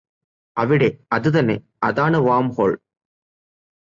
അവിടെ അത് തന്നെ അതാണ് വാം ഹോൾ